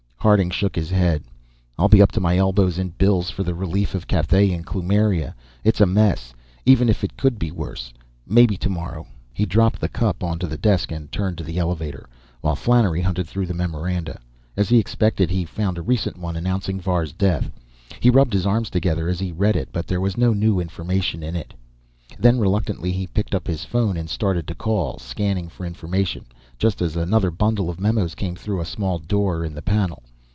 Harding shook his head. "I'll be up to my elbows in bills for the relief of Cathay and Kloomiria. It's a mess, even if it could be worse. Maybe tomorrow." He dropped the cup onto the desk and turned to the elevator, while Flannery hunted through the memoranda. As he expected, he found a recent one announcing Var's death. He rubbed his arms together as he read it, but there was no new information in it. Then, reluctantly, he picked up his phone and started to call. Scanning for information, just as another bundle of memos came through a small door in the panel.